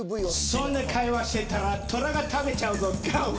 そんな会話してたらトラが食べちゃうぞガオガオ。